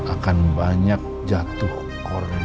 akan banyak jatuh korban